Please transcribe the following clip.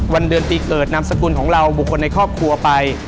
วันเดือนปีเกิดนามสกุลของเราบุคคลในครอบครัวไป